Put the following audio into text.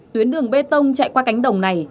tuyến đường bê tông chạy qua cánh đồng này